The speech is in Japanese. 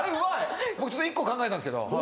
僕１個考えたんですけど。